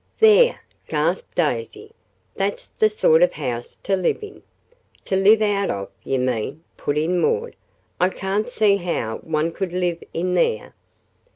"There!" gasped Daisy; "that's the sort of house to live in!" "To live out of, you mean," put in Maud. "I can't see how one could live 'in' there."